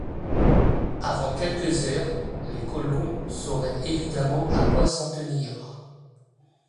Avant quelques heures, les colons sauraient évidemment à quoi s’en tenir.